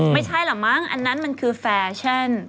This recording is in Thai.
ไม่ใช่เหรอมั้งอันนั้นมันคือแฟชั่น